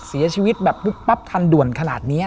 เสียชีวิตแบบปุ๊บปั๊บทันด่วนขนาดนี้